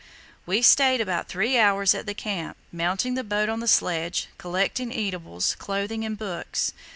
"We stayed about three hours at the Camp, mounting the boat on the sledge, collecting eatables, clothing, and books.